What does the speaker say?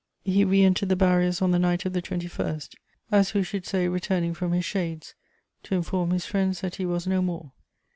He re entered the barriers on the night of the 21st: as who should say returning from his shades to inform his friends that he was no more.